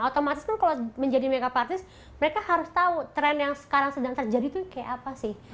otomatis kan kalau menjadi make up artist mereka harus tahu tren yang sekarang sedang terjadi tuh kayak apa sih